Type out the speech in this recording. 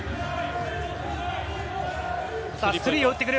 スリーを打ってくる。